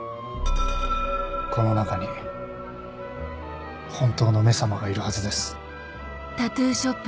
この中に本当の「め様」がいるはずです。